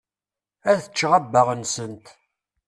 Ad ččeɣ abbaɣ-nsent.